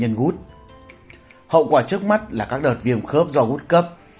hậu quả trước mắt là các đợt viêm khớp do gút cấp